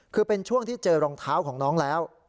คือเป็นช่วงที่เจอรองเท้าของน้องแล้ว